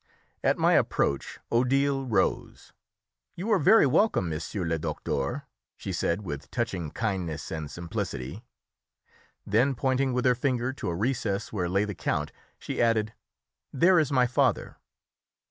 At my approach Odile rose. "You are very welcome, monsieur le docteur," she said with touching kindness and simplicity; then, pointing with her finger to a recess where lay the count, she added, "There is my father."